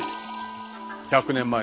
１００年前のね。